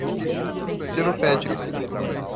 Seropédica